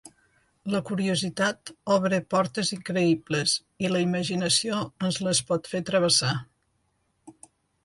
La curiositat obre portes increïbles i la imaginació ens les pot fer travessar.